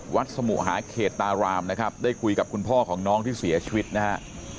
สมุหาเขตตารามนะครับได้คุยกับคุณพ่อของน้องที่เสียชีวิตนะฮะ